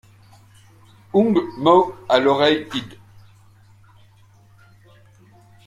Ung mot à l’aureille id.